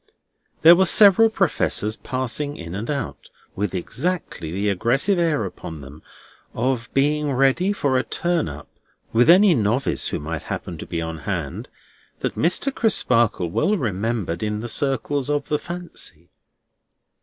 There were several Professors passing in and out, with exactly the aggressive air upon them of being ready for a turn up with any Novice who might happen to be on hand, that Mr. Crisparkle well remembered in the circles of the Fancy.